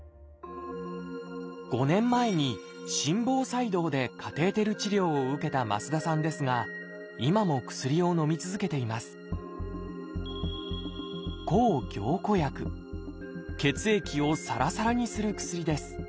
５年前に心房細動でカテーテル治療を受けた増田さんですが今も薬をのみ続けています血液をサラサラにする薬です。